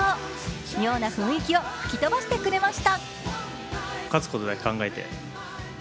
妙な雰囲気を吹き飛ばしてくれました。